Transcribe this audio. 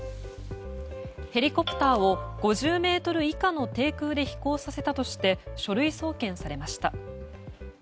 ヘリコプターを５０ｍ以下の低空で飛行させたとして書類送検されました。